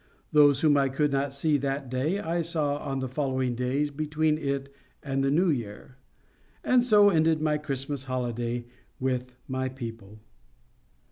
Those whom I could not see that day, I saw on the following days between it and the new year. And so ended my Christmas holiday with my people.